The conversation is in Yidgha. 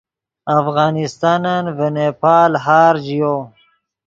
افغانستانن ڤے نیپال ہار ژیو